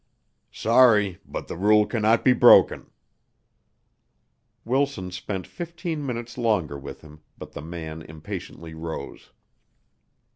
"Sorry, but the rule cannot be broken." Wilson spent fifteen minutes longer with him, but the man impatiently rose.